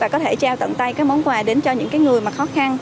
chào tận tay cái món quà đến cho những cái người mà khó khăn